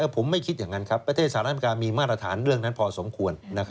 ผมไม่คิดอย่างนั้นครับประเทศสหรัฐอเมริกามีมาตรฐานเรื่องนั้นพอสมควร